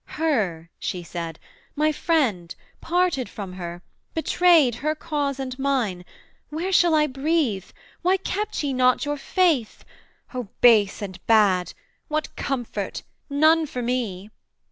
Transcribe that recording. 'Her,' she said, 'my friend Parted from her betrayed her cause and mine Where shall I breathe? why kept ye not your faith? O base and bad! what comfort? none for me!'